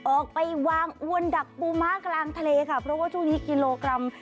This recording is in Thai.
ออกไปวางอวนดักปูม้ากลางทะเลค่ะเพราะว่าช่วงนี้กิโลกรัม